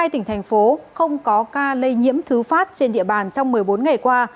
một mươi tỉnh thành phố không có ca lây nhiễm thứ phát trên địa bàn trong một mươi bốn ngày qua